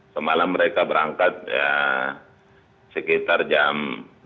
semalam mereka berangkat sekitar jam dua puluh tiga